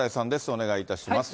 お願いいたします。